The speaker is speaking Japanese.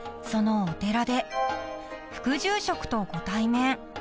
［そのお寺で副住職とご対面］